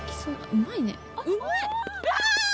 うまい！わ！